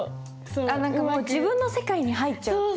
何か自分の世界に入っちゃって。